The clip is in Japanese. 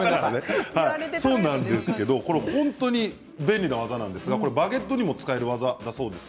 本当に便利な技なんですがバゲットにも使える技だそうです。